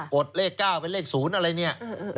กดเลข๙ไปเลข๐อะไรนี่